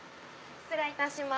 失礼いたします。